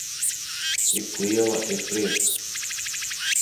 Cik liela ir priek